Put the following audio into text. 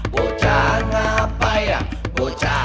bukannya pa' ya